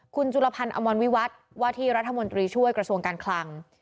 คุณจุลพันธ์อมรวิวัฒน์ว่าที่รัฐมนตรีช่วยกระทรวงการคลัง